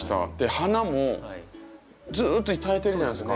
花もずっと咲いてるじゃないですか。